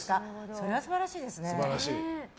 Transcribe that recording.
それは素晴らしいですね。